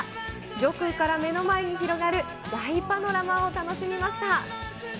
上空から目の前に広がる大パノラマを楽しみました。